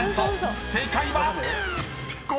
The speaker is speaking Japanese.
［正解は⁉］